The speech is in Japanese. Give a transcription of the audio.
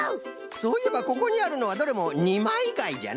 そういえばここにあるのはどれもにまいがいじゃな。